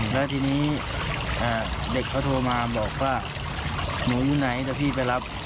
แล้วทีนี้เด็กเขาโทรมาบอกว่าหนูอยู่ไหนเดี๋ยวพี่ไปรับ